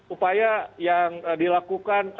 upaya yang dilakukan